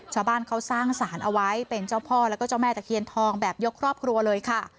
ชาวบ้านเขาสร้างสารเอาไว้เป็นเจ้าพ่อแล้วก็เจ้าแม่ตะเคียนทองแบบยกครอบครัวเลยค่ะ